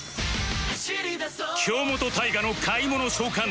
京本大我の買い物相関図